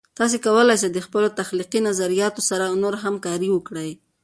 تاسې کولای سئ د خپلو تخلیقي نظریاتو سره نور همکارۍ وکړئ.